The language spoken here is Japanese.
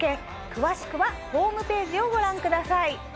詳しくはホームページをご覧ください。